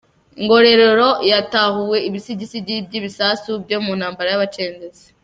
Ngororero Hatahuwe ibisigisigi by’ibisasu byo mu ntambara y’abacengezi